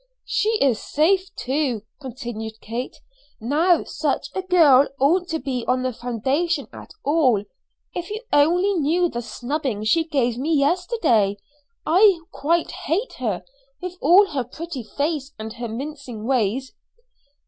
"She is safe to," continued Kate. "Now, such a girl oughtn't to be on the foundation at all. If you only knew the snubbing she gave me yesterday. I quite hate her, with all her pretty face and her mincing ways."